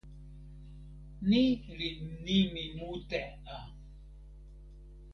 ni li nimi mute a!